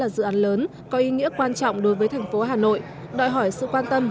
là dự án lớn có ý nghĩa quan trọng đối với thành phố hà nội đòi hỏi sự quan tâm